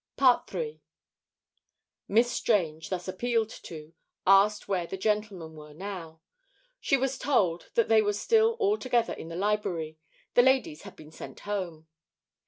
III Miss Strange, thus appealed to, asked where the gentlemen were now. She was told that they were still all together in the library; the ladies had been sent home.